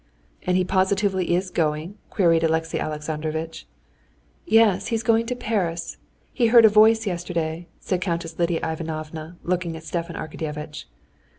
"And he positively is going?" queried Alexey Alexandrovitch. "Yes, he's going to Paris. He heard a voice yesterday," said Countess Lidia Ivanovna, looking at Stepan Arkadyevitch.